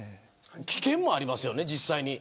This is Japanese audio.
危険もありますよね、実際に。